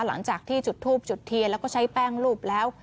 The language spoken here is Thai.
หลังจากที่จุดทูบจุดเทียนแล้วก็ใช้แป้งรูปแล้ว